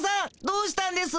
どうしたんです？